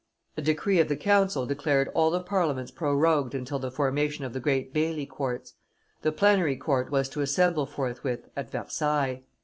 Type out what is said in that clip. A decree of the council declared all the parliarnents prorogued until the formation of the great bailliecourts. The plenary court was to assemble forthwith at Versailles.